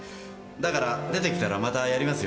だから出てきたらまたやりますよ